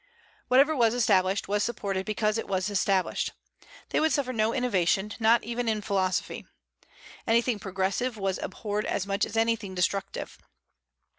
Whatever was established, was supported because it was established. They would suffer no innovation, not even in philosophy. Anything progressive was abhorred as much as anything destructive.